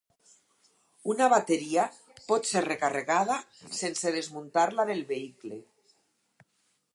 Una bateria pot ser recarregada sense desmuntar-la del vehicle.